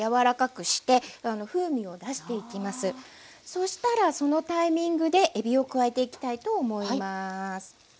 そしたらそのタイミングでえびを加えていきたいと思います。